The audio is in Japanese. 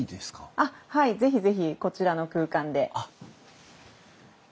あっはい是非是非こちらの空間で。